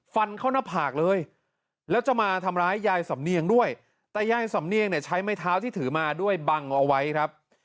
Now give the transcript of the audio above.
ฟันเข้าหน้าผากเลยแล้วจะมาทำร้ายยายสำเนียงด้วยแต่ยายสำเนียงเนี่ยใช้ไม้เท้าที่ถือมาด้วยบังเอาไว้ครับ